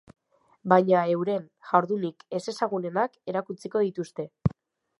Baina euren jardunik ezezagunenak erakutsiko dituzte.